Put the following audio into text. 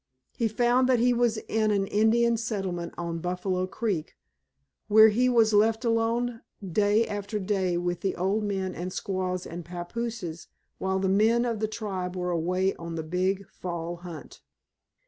He found that he was in an Indian settlement on Buffalo Creek, where he was left alone day after day with the old men and squaws and papooses while the men of the tribe were away on the big fall hunt.